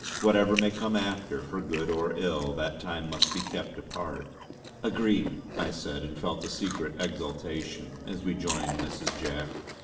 Whatever may come after, for good or ill, that time must be kept apart." "Agreed!" I said and felt a secret exultation as we joined Mrs. Jack.